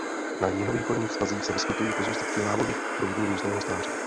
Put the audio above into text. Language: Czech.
Na jihovýchodních svazích se vyskytují pozůstatky lávových proudů různého stáří.